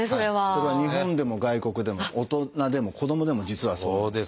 それは日本でも外国でも大人でも子どもでも実はそうで。